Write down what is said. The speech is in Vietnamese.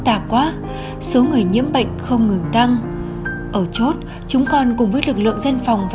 tà quá số người nhiễm bệnh không ngừng tăng ở chốt chúng còn cùng với lực lượng dân phòng và